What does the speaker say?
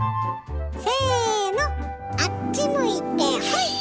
せのあっち向いてホイ！